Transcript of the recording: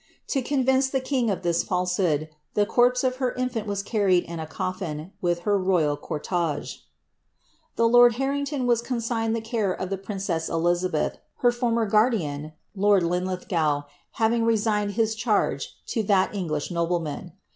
To convince the king of this falsehood, the corpse of her in&nt was carried in a coffin * widi her royal cort^. To lord Harrington was consigned the care of the princess Elizabeth, her former guardian, lord Linlithgow, having resigned his charge to that English nobleman.